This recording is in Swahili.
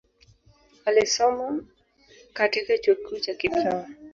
Alisoma katika chuo kikuu cha Cape Town.